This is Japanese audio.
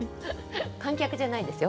観客じゃないんですよ。